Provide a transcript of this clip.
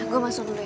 gue masuk dulu ya